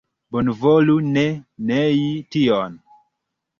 Bonvolu ne nei tion.